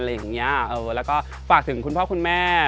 แล้วก็ฝากถึงคุณพ่อคุณแม่